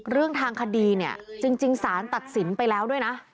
เรื่องทางคดีเนี่ยจริงสารตัดสินไปแล้วด้วยนะ